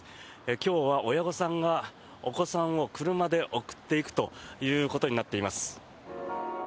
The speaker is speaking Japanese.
今日は親御さんがお子さんを車で送っていくということになっています。